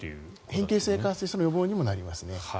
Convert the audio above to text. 変形性関節症の予防にもなりますね。